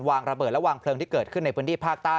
ระเบิดและวางเพลิงที่เกิดขึ้นในพื้นที่ภาคใต้